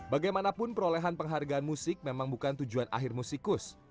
bagaimanapun perolehan penghargaan musik memang bukan tujuan akhir musikus